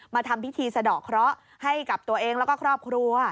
ทำพิธีสะดอกเคราะห์ให้กับตัวเองแล้วก็ครอบครัว